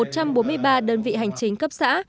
một trăm bốn mươi ba đơn vị hành chính cấp xã